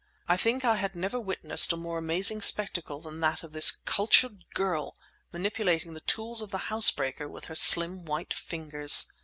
I think I had never witnessed a more amazing spectacle than that of this cultured girl manipulating the tools of the house breaker with her slim white fingers.